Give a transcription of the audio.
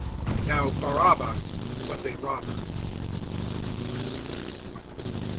Now Barabbas was a robber.